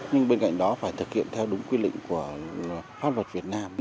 nhưng bên cạnh đó phải thực hiện theo đúng quy định của pháp luật việt nam